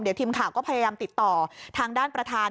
เดี๋ยวทีมข่าวก็พยายามติดต่อทางด้านประธาน